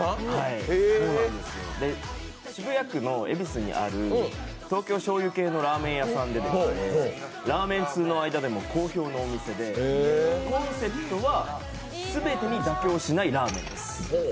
渋谷区の恵比寿にある東京しょうゆ系のラーメン屋さんでラーメン通の間でも好評のお店でコンセプトは全てに妥協しないらぁ麺です。